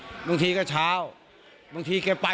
ก็เลยไม่รู้ว่าวันเกิดเหตุคือมีอาการมืนเมาอะไรบ้างหรือเปล่า